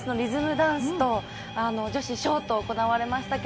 ダンスと女子ショートが行われましたが